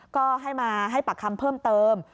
ก็ให้มาให้ปากคำเพิ่มเติม